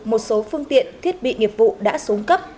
một số phương tiện thiết bị nghiệp vụ đã xuống cấp